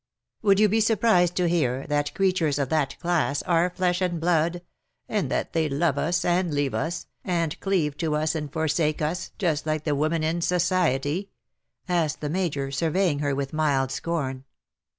^''" Would you be surprised to hear that creatures of that class are flesb and blood; and that they love us and leave us, and cleave to us and forsake uSj just like the women in society ?" asked the Major, surveying her with mild scorn.